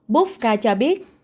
bufka cho biết